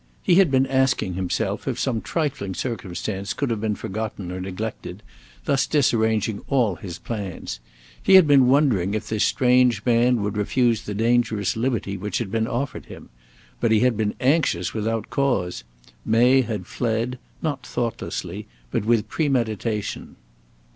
He had been asking himself if some trifling circumstance could have been forgotten or neglected, thus disarranging all his plans. He had been wondering if this strange man would refuse the dangerous liberty which had been offered him. But he had been anxious without cause. May had fled; not thoughtlessly, but with premeditation.